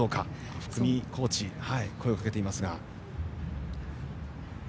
福見コーチが声をかけています。